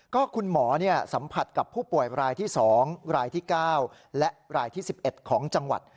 ก็คุณหมอสัมผัสกับผู้ป่วยรายที่๒รายที่๙และรายที่๑๑ของจังหวัด